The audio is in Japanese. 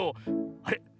あれ？